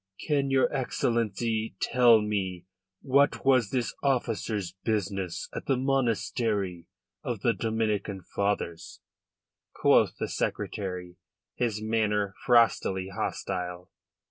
"Can your Excellency tell me what was this officer's business at the monastery of the Dominican fathers?" quoth the Secretary, his manner frostily hostile.